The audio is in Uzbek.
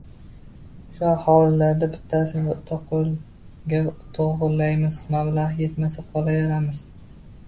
– Shu hovlilardan bittasini Otaqulga to‘g‘rilaymiz, mablag‘i yetmasa, qo‘llavoramiz